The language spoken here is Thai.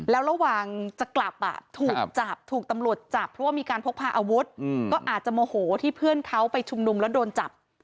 แล้วระหว่างจะกลับถูกจับถูกตำรวจจับเพราะว่ามีการพกพาอาวุธก็อาจจะโมโหที่เพื่อนเขาไปชุมนุมแล้วโดนจับ